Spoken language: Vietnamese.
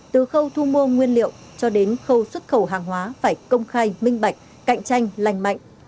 từ khâu thu mua nguyên liệu cho đến khâu xuất khẩu hàng hóa phải công khai minh bạch cạnh tranh lành mạnh